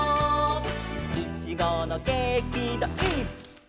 「いちごのケーキだ１」